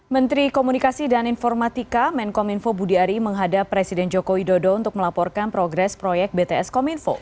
menteri komunikasi dan informatika menkom info budi ari menghadap presiden joko widodo untuk melaporkan progres proyek bts kominfo